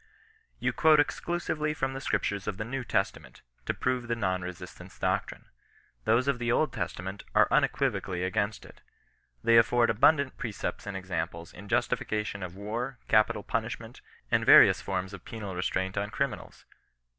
"You quote exclusively from the scriptures of the New Testament, to prove the non resistance doctrine. Those of the Old Testament are unequivocally against it. They afford abundant precepts and examples in justification of war, capital punishment, and various forms of penal re straint on criminals.